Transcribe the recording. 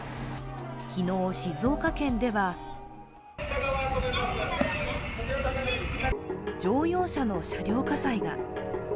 昨日、静岡県では乗用車の車両火災が。